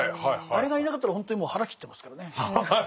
あれがいなかったらほんとにもう腹切ってますからね。